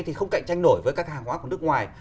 thì không cạnh tranh nổi với các hàng hóa của nước ngoài